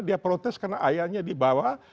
dia protes karena ayahnya dibawa